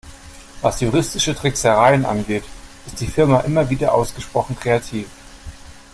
Was juristische Tricksereien angeht, ist die Firma immer wieder ausgesprochen kreativ.